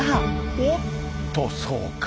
おおっとそうか。